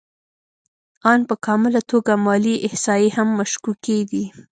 آن په کامله توګه مالي احصایې هم مشکوکې دي